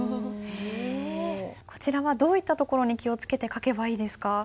こちらはどういったところに気を付けて書けばいいですか？